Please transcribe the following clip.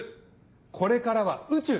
これからは宇宙！